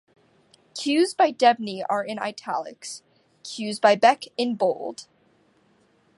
Cues by Debney are in italics, cues by Beck in bold.